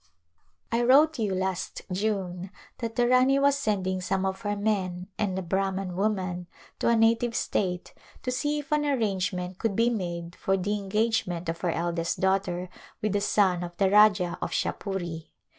I wrote you last June that the Rani was sending some of her men and a Brahman woman to a native state to see if an arrangement could be made for the engagement of her eldest daughter with the son of the Rajah of Shahpuri.